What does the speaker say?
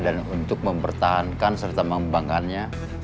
dan untuk mempertahankan serta membangkannya